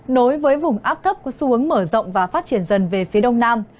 nối với vùng áp thấp có xu hướng mở rộng và phát triển dần về phía đông nam